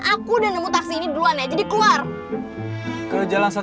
a being yang n jest